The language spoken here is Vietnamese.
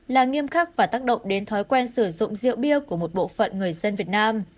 là nghiêm khắc và tác động đến thói quen sử dụng rượu bia của một bộ phận người dân việt nam